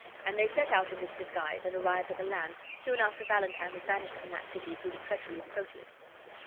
and they set out in this disguise, and arrived at Milan soon after Valentine was banished from that, city through the treachery of Proteus.